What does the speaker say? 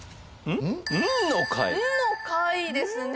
「んの会」ですね